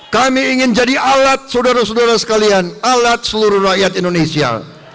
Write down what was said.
kami ingin jadi alat saudara saudara sekalian alat seluruh rakyat indonesia